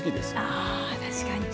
あ確かに。